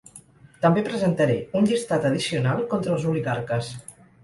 També presentaré un llistat addicional contra els oligarques.